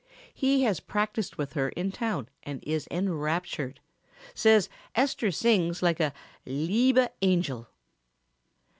He has practiced with her in town and is enraptured. Says Esther sings like a 'liebe angel.'"